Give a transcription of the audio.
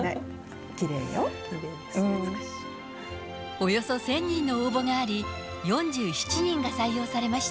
およそ１０００人の応募があり、４７人が採用されました。